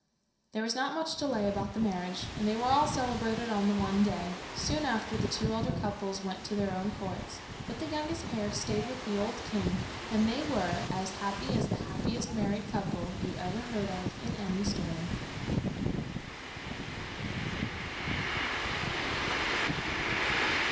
There was not much delay about the marriages, and they were all celebrated on the one day. Soon after, the two elder couples went to their own courts, but the youngest pair stayed with the old king, and they were as happy as the happiest married couple you ever heard of in a story.